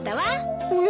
おや？